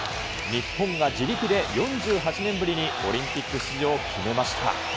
日本が自力で４８年ぶりにオリンピック出場を決めました。